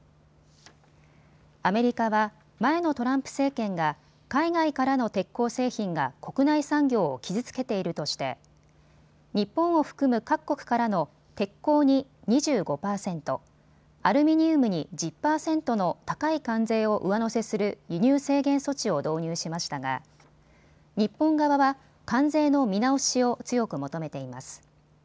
アメリカは前のトランプ政権が海外からの鉄鋼製品が国内産業を傷つけているとして日本を含む各国からの鉄鋼に２５％、アルミニウムに１０％の高い関税を上乗せする輸入制限措置を導入しましたが日本側は関税の見直しを強く求めています。